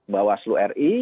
bawah slu ri